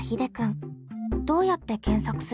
どうやって検索するの？